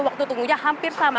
waktu tunggunya hampir sama